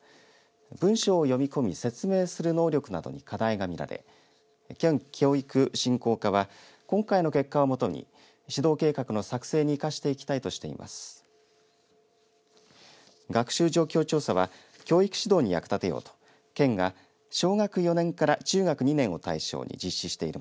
文章を読み込み説明する能力などに課題が見られ県教育振興課は今回の結果をもとに指導計画の作成に生かしていきたいとしています。